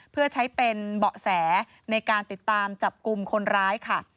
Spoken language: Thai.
เพื่อใช้เป็นเบาะแสในการติดตามจับกลุ่มคนร้ายค่ะ